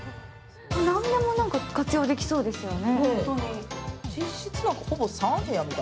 何でも活用できそうですよね。